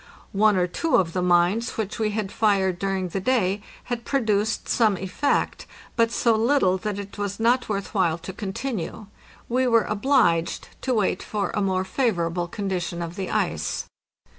One or two of the mines which we had fired during the day had produced some effect, but so little that it was not worth while to continue. We were obliged to wait for a more favorable condition of the ice.